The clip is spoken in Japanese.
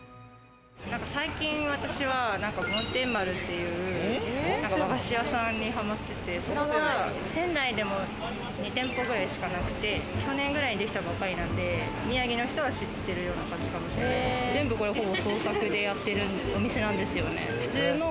最近、私は梵天○っていう和菓子屋さんにハマってて、仙台でも２店舗くらいしかなくて、去年くらいにできたばっかりなんで、宮城の人は知ってるような感じの、全部創作でやってるお店なんですよね。